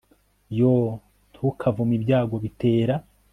yoo! ntukavume ibyago bitera